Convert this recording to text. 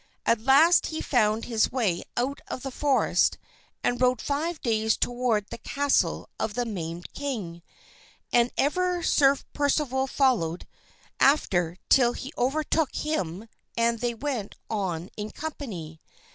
At last he found his way out of the forest and rode five days toward the castle of the maimed king; and ever Sir Percival followed after till he overtook him, and they went on in company.